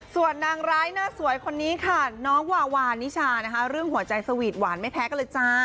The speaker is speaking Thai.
ส่วนนางร้ายหน้าสวยคนนี้ค่ะน้องวาวานิชานะคะเรื่องหัวใจสวีทหวานไม่แพ้กันเลยจ้า